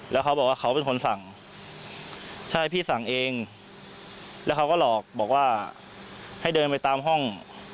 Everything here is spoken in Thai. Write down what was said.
แล้วเขาบอกว่าเขาเป็นคนสั่งใช่พี่สั่งเองแล้วเขาก็หลอกบอกว่าให้เดินไปตามห้อง